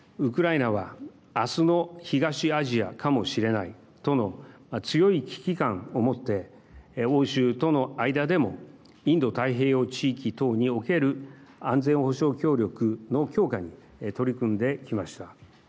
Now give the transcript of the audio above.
私はウクライナはあすの東アジアかもしれないとの強い危機感を持って欧州との間でもインド太平洋地域等における安全保障協力の強化に取り組んできました。